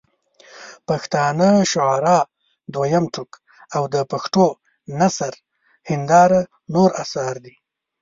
پښتانه شعراء دویم ټوک او د پښټو نثر هنداره نور اثار دي.